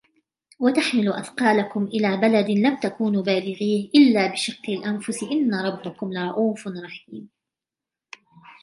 وَتَحْمِلُ أَثْقَالَكُمْ إِلَى بَلَدٍ لَمْ تَكُونُوا بَالِغِيهِ إِلَّا بِشِقِّ الْأَنْفُسِ إِنَّ رَبَّكُمْ لَرَءُوفٌ رَحِيمٌ